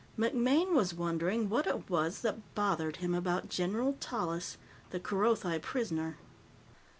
MacMaine was wondering what it was that bothered him about General Tallis, the Kerothi prisoner.